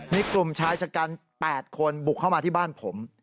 มีกลุ่มชายชะกัน๘คนบุกเข้ามาที่บ้านผม